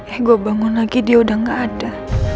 eh gue bangun lagi dia udah gak ada